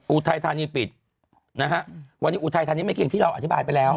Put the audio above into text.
อุทาทานีปิดนะฮะวันนี้อุทาทานีไม่กินที่เราอธิบายไปแล้ว